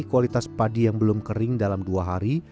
kualitas padi yang belum kering dalam dua hari